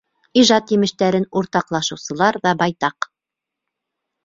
Ижад емештәрен уртаҡлашыусылар ҙа байтаҡ.